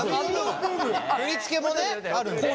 振り付けもねあるんだね。